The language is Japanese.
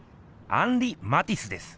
アンリ・マティスです。